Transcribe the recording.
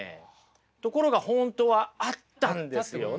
ところが本当はあったんですよね。